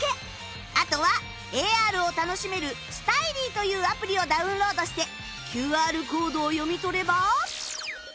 あとは ＡＲ を楽しめる ＳＴＹＬＹ というアプリをダウンロードして ＱＲ コードを読み取れば